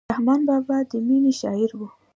رحمان بابا د مینې شاعر و.